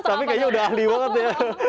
tapi kayaknya udah ahli banget ya